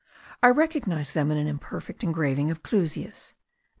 I recognise them in an imperfect engraving of Clusius.